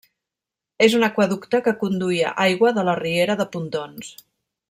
És un aqüeducte que conduïa aigua de la riera de Pontons.